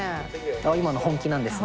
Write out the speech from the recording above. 今の本気なんですね。